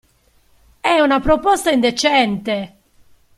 È una proposta indecente!